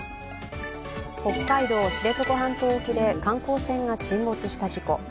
北海道知床半島沖で観光船が沈没した事故。